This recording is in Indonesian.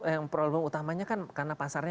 yang problem utamanya kan karena pasarnya